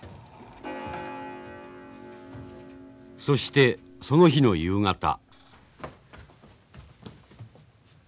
そしてその日の夕方。